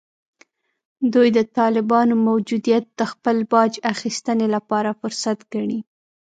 دوی د طالبانو موجودیت د خپل باج اخیستنې لپاره فرصت ګڼي